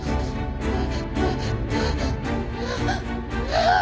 ああ！